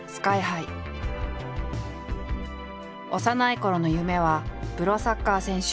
幼いころの夢はプロサッカー選手。